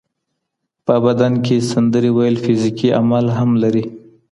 په بدن کې سندرې ویل فزیکي عمل هم لري.